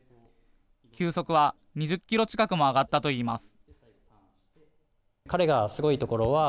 球速は２０キロ近くも上がったといいます。